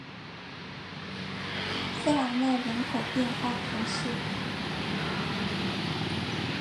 塞尔奈人口变化图示